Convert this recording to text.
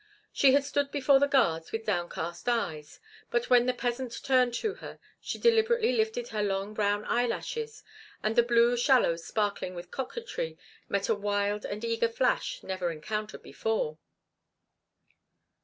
She had stood before the guards with downcast eyes, but when the peasant turned to her she deliberately lifted her long brown eyelashes, and the blue shallows sparkling with coquetry met a wild and eager flash never encountered before.